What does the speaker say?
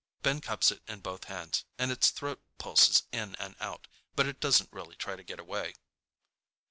Ben cups it in both hands, and its throat pulses in and out, but it doesn't really try to get away.